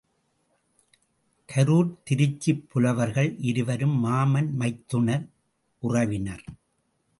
கரூர் திருச்சிப் புலவர்கள் இருவரும் மாமன் மைத்துன உறவினர்.